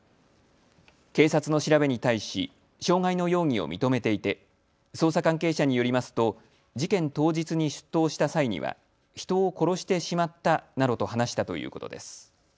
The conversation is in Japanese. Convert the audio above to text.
警察の調べに対し傷害の容疑を認めていて捜査関係者によりますと事件当日に出頭した際には人を殺してしまったなどと話したということです。